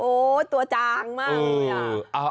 โอ้ตัวจางมาก